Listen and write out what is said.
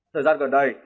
thời gian gần đây